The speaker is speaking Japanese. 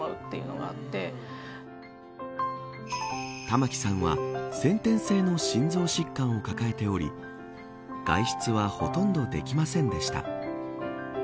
玉城さんは先天性の心臓疾患を抱えており外出はほとんどできませんでした。